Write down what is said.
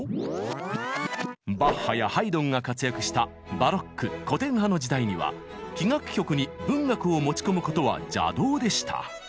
バッハやハイドンが活躍したバロック古典派の時代には器楽曲に文学を持ち込むことは邪道でした。